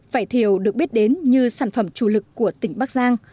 vải thiều được biết đến như sản phẩm chủ lực của tỉnh bắc giang